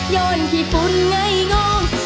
ย้อนขี้ฟุ้นไงงอง